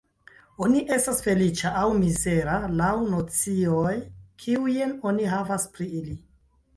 Oni estas feliĉa aŭ mizera laŭ nocioj, kiujn oni havas pri ili.